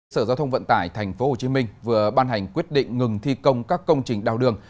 sở giao thông vận tải tp hcm vừa ban hành quyết định ngừng thi công các công trình đào đường